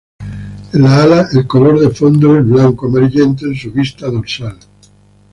En las alas el color de fondo es blanco amarillento en su vista dorsal.